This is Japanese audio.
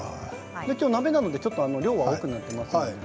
今日は鍋なので量も多くなっています。